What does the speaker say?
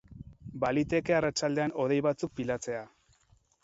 Baliteke arratsaldean hodei batzuk pilatzea.